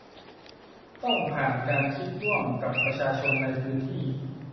ต้องผ่านการคิดร่วมกับประชาชนในพื้นที่